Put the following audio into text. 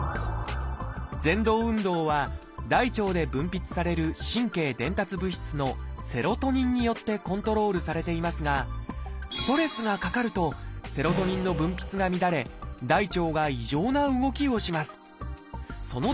ぜん動運動は大腸で分泌される神経伝達物質の「セロトニン」によってコントロールされていますがストレスがかかるとセロトニンの分泌が乱れ大腸が異常な動きをします。